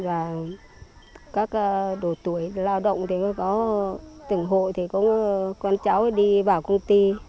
và các đổi tuổi lao động thì có tỉnh hội thì có con cháu đi bảo công ty